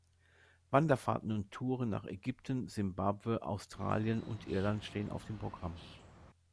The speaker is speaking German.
Wanderfahrten und Touren nach Ägypten, Simbabwe, Australien und Irland stehen auf dem Programm.